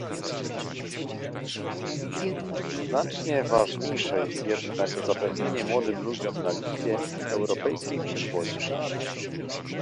Znacznie ważniejsze jest jednak zapewnienie młodym ludziom na Litwie europejskiej przyszłości